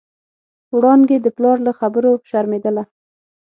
وړانګې د پلار له خبرو شرمېدله.